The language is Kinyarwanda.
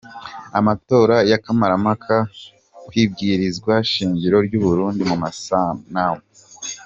Amatora ya kamarampaka kw'ibwirizwa shingiro ry'u Burundi, mu masanamu.